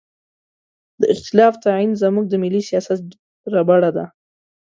د اختلاف تعین زموږ د ملي سیاست ربړه ده.